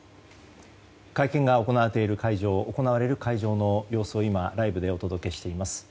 会見が行われる会場の様子を今、ライブでお届けしています。